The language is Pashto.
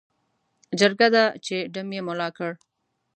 جرګه ده چې ډم یې ملا کړ.